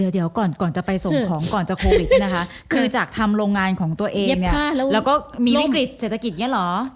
เดี๋ยวก่อนจะไปส่งของก่อนจะโควิดเนี่ยนะคะคือจากทำโรงงานของตัวเองเนี่ยแล้วก็มีวิกฤตเศรษฐกิจอย่างนี้เหรอ